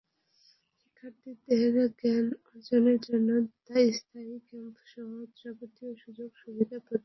শিক্ষার্থীদের জ্ঞান অর্জনের জন্য স্থায়ী ক্যাম্পাসসহ যাবতীয় সুযোগ-সুবিধা প্রদানে বিশ্ববিদ্যালয় বদ্ধপরিকর।